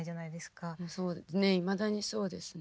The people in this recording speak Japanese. いまだにそうですね。